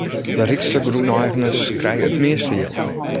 De rykste grûneigeners krije it measte jild.